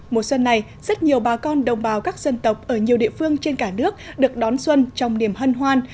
mùa xuân này rất nhiều bà con đồng bào các dân tộc ở nhiều địa phương trên cả nước được đón xuân trong niềm hân hoan